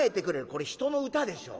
これ人の歌でしょ。